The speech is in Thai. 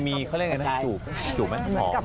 อ๋อมีเขาเรียกยังไงนะจูบจูบไหมหอม